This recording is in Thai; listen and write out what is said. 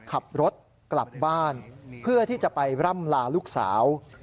ขับรถกลับบ้านเพื่อที่จะไปร่ำลาลูกสาว